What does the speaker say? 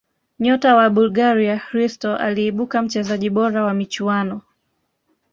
nyota wa bulgaria hristo aliibuka mchezaji bora wa michuano